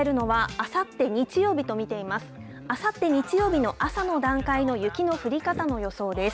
あさって日曜日の朝の段階の雪の降り方の予想です。